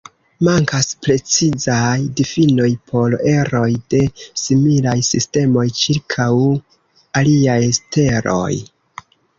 Mankas precizaj difinoj por eroj de similaj sistemoj ĉirkaŭ aliaj steloj.